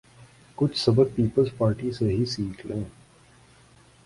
کچھ سبق پیپلزپارٹی سے ہی سیکھ لیں۔